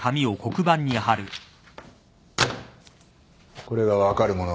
これが分かる者は？